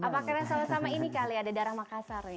apa karena selama ini kali ada darah makassar ya